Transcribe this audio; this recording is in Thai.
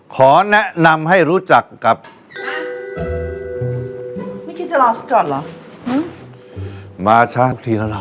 ขอแนะนำให้รู้จักกับไม่คิดจะรอฉันก่อนเหรอหึมาช้าทุกทีแล้วเรา